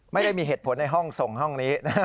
ไม่ได้มีเหตุผลในห้องส่งห้องนี้